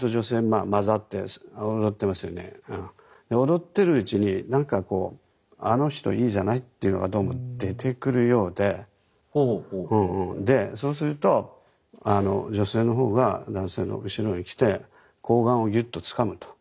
踊ってるうちに何かこうあの人いいじゃないっていうのがどうも出てくるようででそうすると女性の方が男性の後ろの方へ来てこうがんをギュッとつかむと。